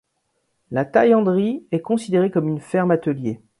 La taillanderie est considérée comme une ferme-atelier.